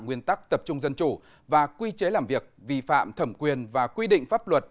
nguyên tắc tập trung dân chủ và quy chế làm việc vi phạm thẩm quyền và quy định pháp luật